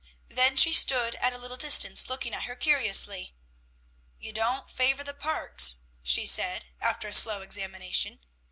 Then she stood at a little distance looking at her curiously. "You don't favor the Parkes," she said, after a slow examination.